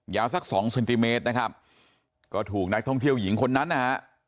สักสองเซนติเมตรนะครับก็ถูกนักท่องเที่ยวหญิงคนนั้นนะฮะ